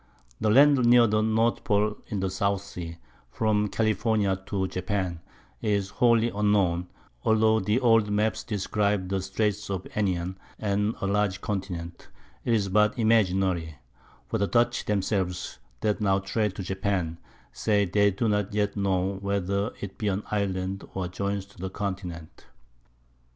The Land near the North Pole in the South Sea, from California to Japan, is wholly unknown, altho' the old Maps describe the Streights of Anian, and a large Continent, it is but imaginary; for the Dutch themselves, that now trade to Japan, say they do not yet know whether it be an Island, or joins to the Continent.